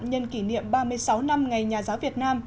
nhân kỷ niệm ba mươi sáu năm ngày nhà giáo việt nam